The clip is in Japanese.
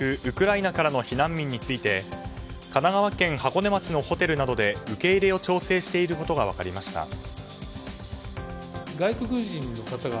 ウクライナからの避難民について神奈川県箱根町のホテルなどで受け入れを調整していることが分かりました。